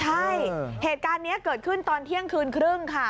ใช่เหตุการณ์นี้เกิดขึ้นตอนเที่ยงคืนครึ่งค่ะ